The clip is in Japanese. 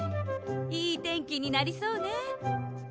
いいてんきになりそうね。